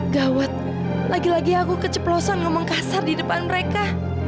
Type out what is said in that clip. gawat lagi lagi aku keceplosan ngomong kasar di depan mereka